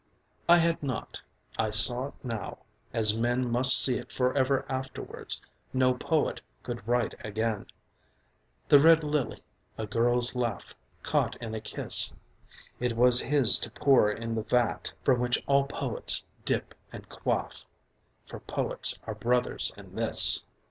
I had not. I saw it now as men must see it forever afterwards; no poet could write again, "the red lily, a girl's laugh caught in a kiss;" it was his to pour in the vat from which all poets dip and quaff, for poets are brothers in this.